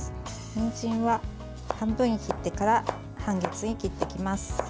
にんじんは半分に切ってから半月に切っていきます。